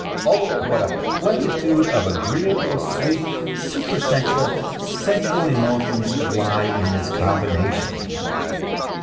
* what a plenitude of agreeable, sweet, super sensual, sensual emotions lies in this combination